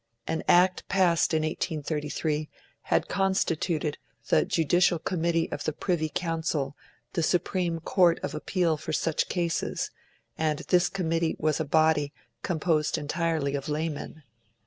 An Act passed in 1833 had constituted the Judicial Committee of the Privy Council the supreme court of appeal for such cases; and this Committee was a body composed entirely of laymen.